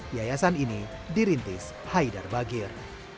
yayasan ini dirintis haidar bagir